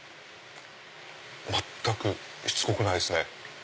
全くしつこくないですね。